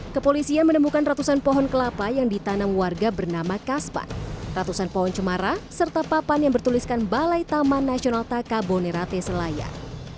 kepolisian menemukan ratusan pohon kelapa yang ditanam warga bernama kaspan ratusan pohon cemara serta papan yang bertuliskan balai taman nasional taka bonerate selayar